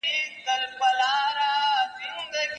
د سبا نری شماله د خدای روی مي دی دروړی